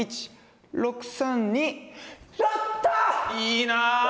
いいなあ。